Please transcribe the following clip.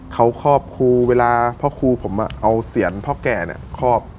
เค้าคอบคูเวลาพ่อคูผมเอาเซียนพ่อแก่เนี่ย